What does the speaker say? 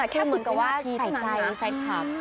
แค่สูตรภัยหน้าที่เช็ดนามค่ะ